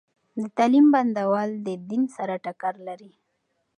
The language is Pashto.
د تعليم بندول د دین سره ټکر لري.